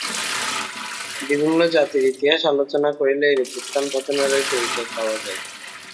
বিভিন্ন জাতির ইতিহাস আলোচনা করিলে এইরূপ উত্থান-পতনেরই পরিচয় পাওয়া যায়।